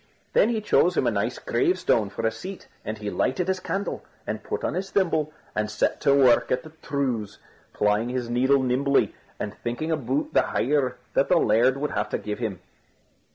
Then he chose him a nice gravestone for a seat and he lighted his candle, and put on his thimble, and set to work at the trews; plying his needle nimbly, and thinking about the hire that the laird would have to give him.